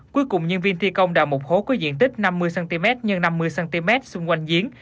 cuối cùng nhân viên thi công đào một hố có diện tích năm mươi cm x năm mươi cm xung quanh giếng